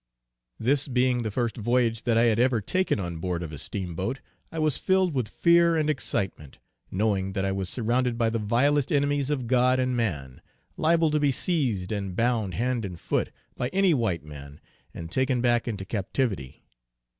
This being the first voyage that I had ever taken on board of a Steamboat, I was filled with fear and excitement, knowing that I was surrounded by the vilest enemies of God and man, liable to be seized and bound hand and foot, by any white man, and taken back into captivity.